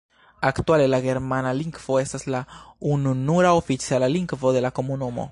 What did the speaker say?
Aktuale la germana lingvo estas la ununura oficiala lingvo de la komunumo.